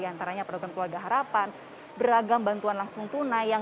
antaranya program keluarga harapan beragam bantuan langsung tunai